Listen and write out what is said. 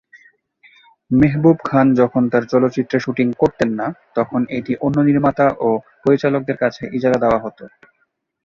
মেহবুব খান যখন তাঁর চলচ্চিত্রের শুটিং করতেন না, তখন এটি অন্য নির্মাতা ও পরিচালকদের কাছে ইজারা দেওয়া হত।